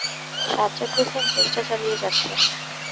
সাজ্জাদ হোসেন চেষ্টা চালিয়ে যাচ্ছেন।